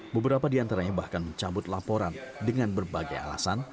beberapa diantaranya bahkan mencabut laporan dengan berbagai alasan